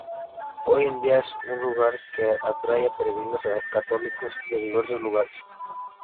Hoy en día es un lugar que atrae a peregrinos católicos de diversos lugares.